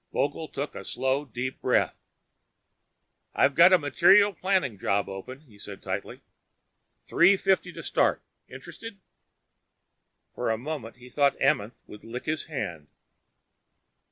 Vogel took a slow deep breath. "I've got a material planning job open," he said tightly. "Three fifty to start. Interested?" For a moment he thought Amenth would lick his hand.